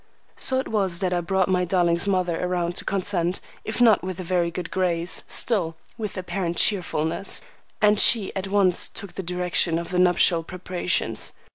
So it was that I brought my darling's mother around to consent, if not with a very good grace, still with apparent cheerfulness, and she at once took the direction of the nuptial preparations.